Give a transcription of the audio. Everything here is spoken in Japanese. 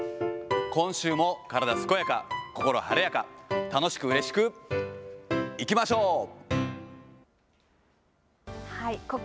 今週も体すこやか、心晴れやか、楽しくうれしくいきましょう。